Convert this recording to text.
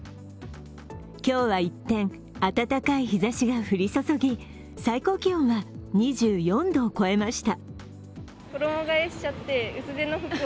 今日は一転、暖かい日差しが降り注ぎ最高気温は２４度を超えました。